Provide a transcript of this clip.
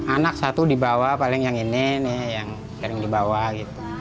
anak satu dibawa paling yang ini ini yang sering dibawa gitu